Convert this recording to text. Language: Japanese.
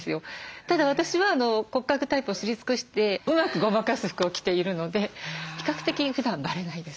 ただ私は骨格タイプを知り尽くしてうまくごまかす服を着ているので比較的ふだんばれないです。